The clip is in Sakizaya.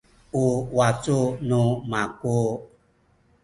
u wacu nu maku